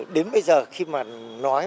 đến bây giờ khi mà nói